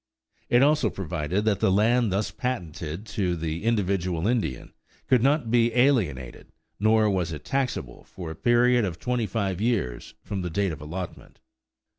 It also provided that the land thus patented to the individual Indian could not be alienated nor was it taxable for a period of twenty five years from the date of allotment.